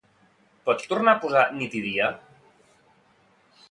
Pots tornar a posar "Nit i dia"?